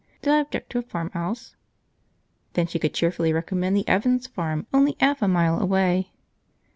Did I object to a farm 'ouse? Then she could cheerfully recommend the Evan's farm, only 'alf a mile away.